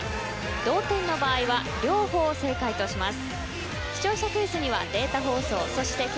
同点の場合は両方正解とします。